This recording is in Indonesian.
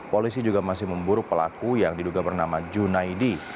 polisi juga masih memburu pelaku yang diduga bernama junaidi